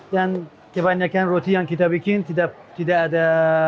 dan kebanyakan roti yang kita bikin tidak ada